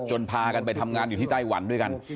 พากันไปทำงานอยู่ที่ไต้หวันด้วยกัน